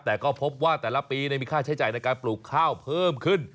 แต่ก็พบว่าแต่ละปีมีค่าใช้จ่ายในการปลูกข้าวเพิ่มขึ้น